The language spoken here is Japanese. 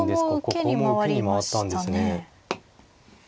ここも受けに回ったんですね。